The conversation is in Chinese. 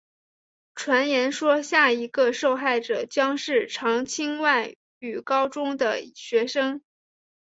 传言说下一个受害者将是常青外语高中的学生。